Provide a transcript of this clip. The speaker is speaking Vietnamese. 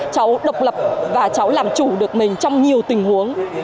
cháu độc lập và cháu làm chủ được mình trong nhiều tình huống